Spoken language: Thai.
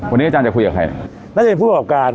วันนี้อาจารย์จะคุยกับใครน่าจะเป็นผู้ประกอบการ